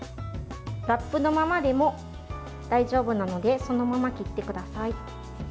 ラップのままでも大丈夫なのでそのまま切ってください。